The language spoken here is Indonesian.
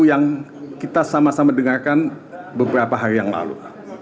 yang kita sama sama dengarkan beberapa hari yang lalu